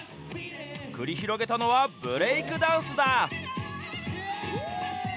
繰り広げたのはブレイクダンスだ。